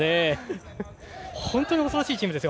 本当に恐ろしいチーム。